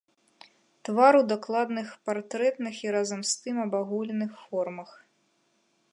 Твар у дакладных партрэтных і разам з тым абагульненых формах.